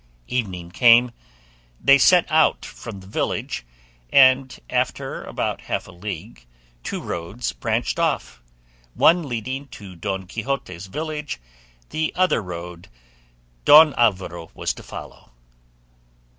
Evening came, they set out from the village, and after about half a league two roads branched off, one leading to Don Quixote's village, the other the road Don Alvaro was to follow.